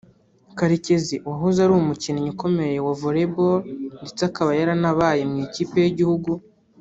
Karekezi wahoze ari umukinnyi ukomeye wa Volleyball ndetse akaba yaranabaye mu Ikipe y’Igihugu